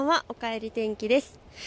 おかえり天気です。